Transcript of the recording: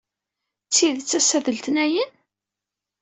D tidet ass-a d letniyen?